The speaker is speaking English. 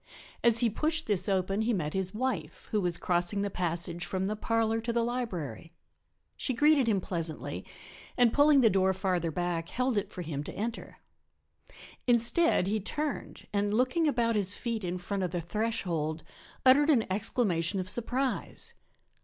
As he pushed this open he met his wife, who was crossing the passage from the parlor to the library. She greeted him pleasantly and pulling the door further back held it for him to enter. Instead he turned and, looking about his feet in front of the threshold, uttered an exclamation of surprise.